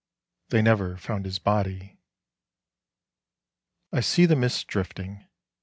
They never found his body. I see the mist drifting.